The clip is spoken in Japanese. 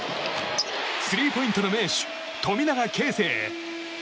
スリーポイントの名手富永啓生！